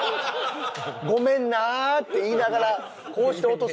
「ごめんな」って言いながらこうして落とせ。